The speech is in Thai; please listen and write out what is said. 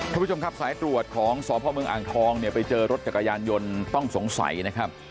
ทุกผู้ชมครับสายตรวจของสพเมืองอ่างทองเนี่ยไปเจอรถจักรยานยนต์ต้องสงสัยนะครับ